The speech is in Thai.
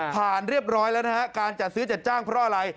เรียบร้อยแล้วนะฮะการจัดซื้อจัดจ้างเพราะอะไร